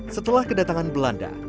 setelah kedatangan belanda